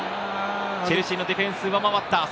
チェルシーのディフェンスが上回った。